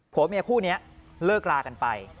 ผัวเมียคู่นี้เลิกลากันไป